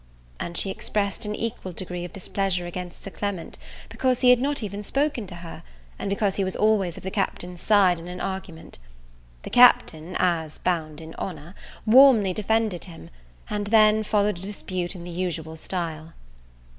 And she expressed an equal degree of displeasure against Sir Clement, because he had not even spoken to her, and because he was always of the Captain's side in an argument. The Captain, as bound in honour, warmly defended him, and then followed a dispute in the usual style.